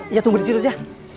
iya tunggu disitu aja